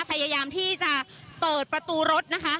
พยายามที่จะเปิดประตูรถนะคะ